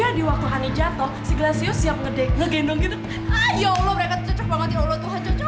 aduh tolong gak jatoh